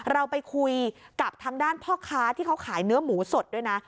เราไปคุยกับทางด้านพ่อค้าที่เขาขายเนื้อหมูสดด้วยนะ